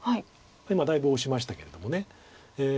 今だいぶオシましたけれども。